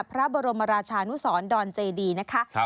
พระบรมราชานุสรดอนเจดีนะคะ